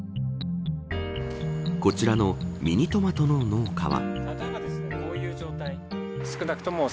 こちらのミニトマトの農家は。